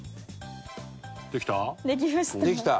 できた？